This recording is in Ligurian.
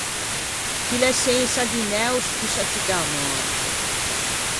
Chi l’é sensa dinæ o spussa ciù che a mòrte.